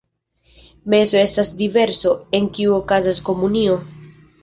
Meso estas diservo, en kiu okazas komunio.